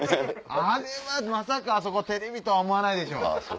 まさかあそこテレビとは思わないでしょ。